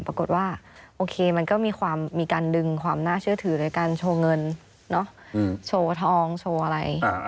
ปรากฏว่าโอเคมันก็มีการดึงความน่าเชื่อถือในการโชว์เงินโชว์ทองโชว์อะไร